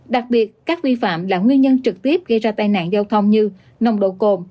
đặc biệt các vi phạm là nguyên nhân trực tiếp gây ra tai nạn giao thông như nồng độ cồn